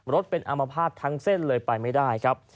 รถเป็นอามภาษณ์ทั้งเส้นเลยไปไม่ได้ครับ